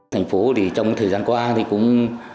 thành phố thì trong thời gian qua thì cũng